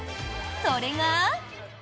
それが。